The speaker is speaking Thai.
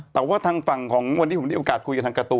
แต่ว่าทางฝั่งของวันนี้ผมได้โอกาสคุยกับทางการ์ตู